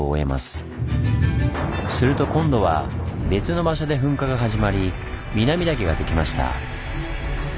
すると今度は別の場所で噴火が始まり南岳ができました。